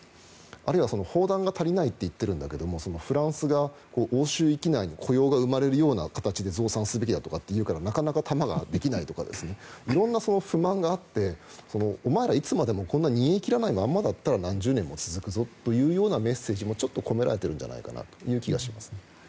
あるいは砲弾が足りないと言ってるんだけどフランスが欧州域内に雇用が生まれるような形で増産すべきだと言うからなかなか弾ができないとか色んな不満があってお前らいつまでもこんな煮え切らないままだったら何十年も続くぞというメッセージもちょっと込められている気がしますね。